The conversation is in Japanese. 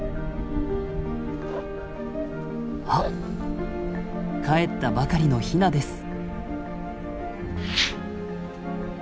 あっかえったばかりのヒナです。